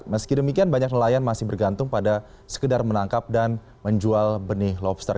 meski demikian banyak nelayan masih bergantung pada sekedar menangkap dan menjual benih lobster